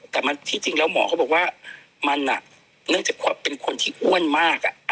แต่ที่จริงแล้วหมอเขาบอกว่ามันเนื่องจากเป็นคนที่อ้วนมาก